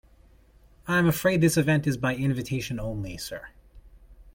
I'm afraid this event is by invitation only, sir.